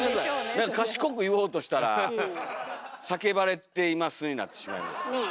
なんか賢く言おうとしたら「叫ばれています」になってしまいました。